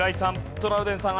トラウデンさん